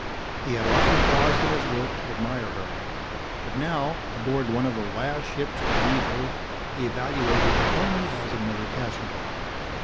He had often paused in his work to admire her. But now, aboard one of the last ships to leave Earth, he evaluated her only as another passenger.